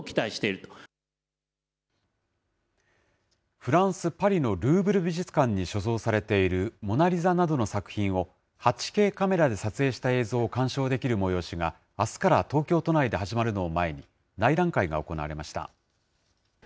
フランス・パリのルーブル美術館に所蔵されているモナ・リザなどの作品を、８Ｋカメラで撮影した映像を鑑賞できる催しが、あすから東京都内で始まるのを前に、内覧会が行われました。